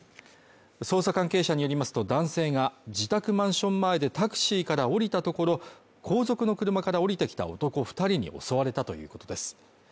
捜査関係者によりますと男性が自宅マンション前でタクシーから降りたところ、後続の車から降りてきた男２人に襲われたということです。